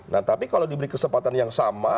nah tapi kalau diberi kesempatan yang sama